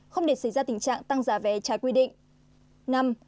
không để xảy ra tình trạng tăng giả vẻ trái quy định